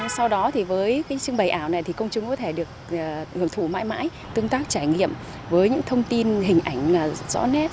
sau đó với trưng bày ảo này công chúng có thể được ngược thủ mãi mãi tương tác trải nghiệm với những thông tin hình ảnh rõ nét